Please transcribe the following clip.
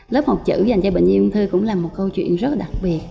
lớp học chữ dành cho bệnh nhân ung thư cũng là một câu chuyện rất đặc biệt